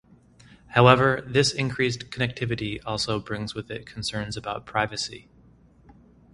However, this increased connectivity also brings with it concerns about privacy.